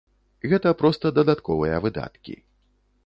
Гэта проста дадатковыя выдаткі.